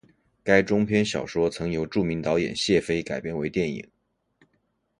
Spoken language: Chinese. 该中篇小说曾由著名导演谢飞改编为电影。